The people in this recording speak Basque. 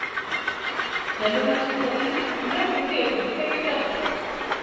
Jende lasaiari inork ez die tutik egiten!.